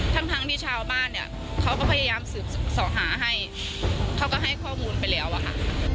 ทั้งทั้งที่ชาวบ้านเนี่ยเขาก็พยายามสืบสอหาให้เขาก็ให้ข้อมูลไปแล้วอะค่ะ